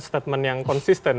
statement yang konsisten